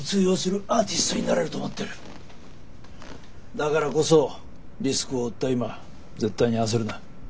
だからこそリスクを負った今絶対に焦るな。